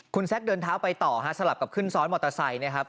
คุณแซคเดินเท้าไปต่อฮะสลับกับขึ้นซ้อนมอเตอร์ไซค์นะครับ